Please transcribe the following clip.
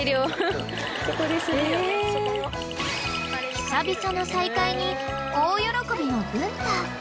［久々の再会に大喜びの文太］